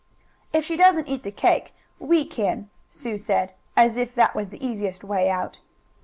"If she doesn't eat the cake, we can," Sue said, as if that was the easiest way out.